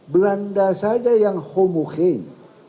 belanda saja yang homo heim